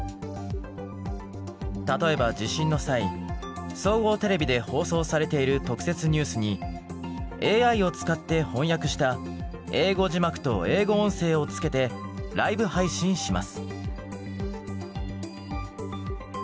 例えば地震の際総合テレビで放送されている特設ニュースにＡＩを使って翻訳した英語字幕と英語音声を付けてライブ配信します。